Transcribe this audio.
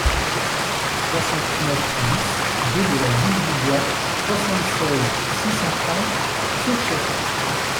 soixante-neuf BIS rue de la Ville du Bois, soixante-seize, six cent trente, Sauchay